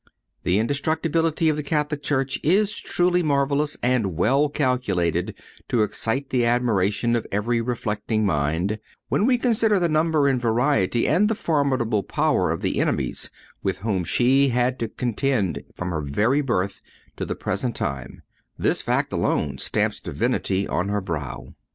The indestructibility of the Catholic Church is truly marvellous and well calculated to excite the admiration of every reflecting mind, when we consider the number and variety, and the formidable power of the enemies with whom she had to contend from her very birth to the present time; this fact alone stamps divinity on her brow.